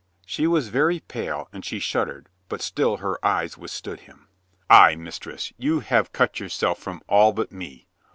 She was very pale and she shuddered but still her eyes withstood him. "Ay, mistress, you have cut yourself from all but me.